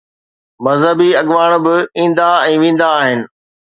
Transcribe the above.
مذهبي اڳواڻ به ايندا ۽ ويندا آهن.